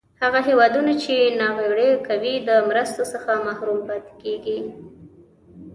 هغه هېوادونه چې ناغیړي کوي د مرستو څخه محروم پاتې کیږي.